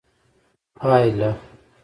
پايله